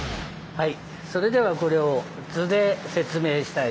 はい。